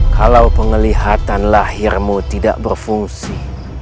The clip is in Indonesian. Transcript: kalau penglihatan lahirmu tidak berfungsi